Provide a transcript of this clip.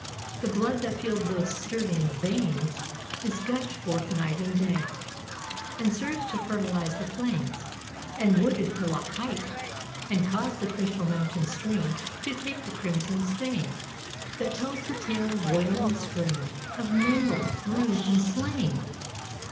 The blood that filled those sterling veins 197 Is gushed forth day and night And serves to fertilize the plains And wooded hillock height, And cause the crystal mountain stream To take the crimson stain That tells the tale of wail and scream; Of mangled, bruised and slain!